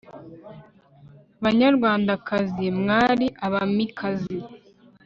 banyarwandakazi, mwari abamikazi